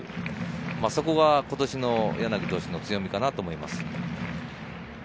そこは今年の柳投手の強みかなと思います。